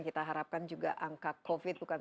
kita harapkan juga angka covid bukan